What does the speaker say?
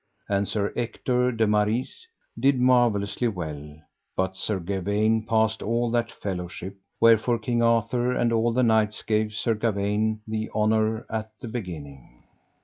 And Sir Ector de Maris did marvellously well, but Sir Gawaine passed all that fellowship; wherefore King Arthur and all the knights gave Sir Gawaine the honour at the beginning.